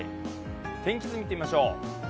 天気図、見てみましょう。